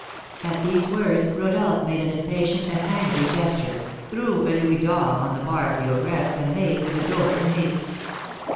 At these words Rodolph made an impatient and angry gesture, threw a louis d'or on the bar of the ogress, and made for the door in haste.